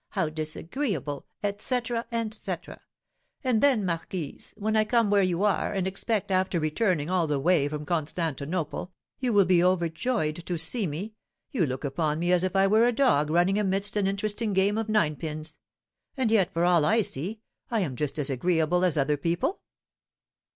How disagreeable!' etc., etc. And then, marquise, when I come where you are, and expect, after returning all the way from Constantinople, you will be overjoyed to see me, you look upon me as if I were a dog running amidst an interesting game of ninepins; and yet, for all I see, I am just as agreeable as other people."